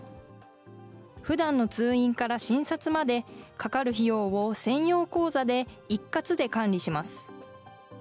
ふだんの通院から診察まで、かかる費用を専用口座で一括で管理します。